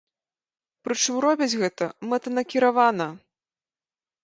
Прычым робяць гэта мэтанакіравана.